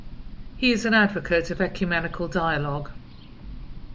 He is an advocate of ecumenical dialogue.